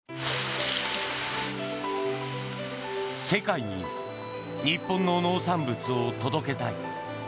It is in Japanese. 世界に日本の農産物を届けたい。